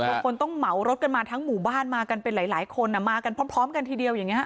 บางคนต้องเหมารถกันมาทั้งหมู่บ้านมากันเป็นหลายคนมากันพร้อมกันทีเดียวอย่างนี้